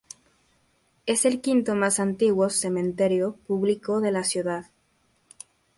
Es el quinto más antiguo cementerio público de la ciudad.